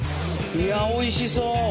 いやおいしそう！